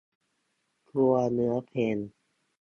ครัวเนื้อเพลง